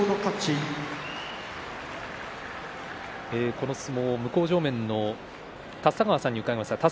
この相撲を向正面の立田川さんに伺います。